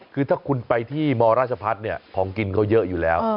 คือถ้าคุณไปที่มราชพัฒน์เนี่ยของกินเขาเยอะอยู่แล้ว